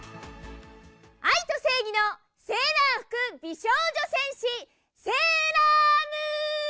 愛と正義のセーラー服美少女戦士セーラームーン。